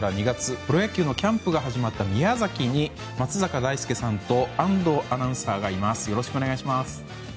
プロ野球のキャンプが始まった宮崎に松坂大輔さんと安藤アナウンサーがいます。